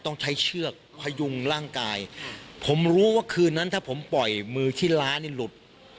ต้องใช้เชือกพยุงร่างกายผมรู้ว่าคืนนั้นถ้าผมปล่อยมือที่ล้านี่หลุด